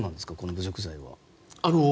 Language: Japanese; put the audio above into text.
侮辱罪は。